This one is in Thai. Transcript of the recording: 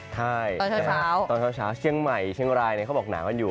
ใช่ตอนเช้าเชียงใหม่เชียงรายเขาบอกหนาวกันอยู่